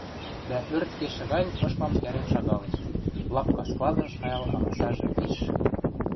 дӓ ӧрт кешӹ гань ышмам кӓрен шагалеш: лапка складын шайыл амасажы виш.